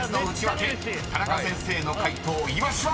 ［田中先生の解答イワシは⁉］